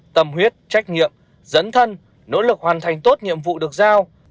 tâm huyết trách nhiệm dẫn thân nỗ lực hoàn thành tốt nhiệm vụ được giao